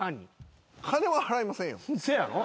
せやろ。